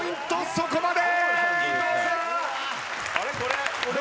そこまで！